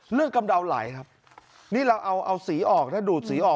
เลือกกำดาวน์ไหลครับนี่เราเอาเอาสีออกถ้าดูดสีออก